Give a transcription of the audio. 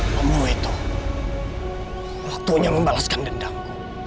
kamu itu waktunya membalaskan dendamku